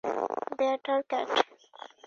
Bat আর cat.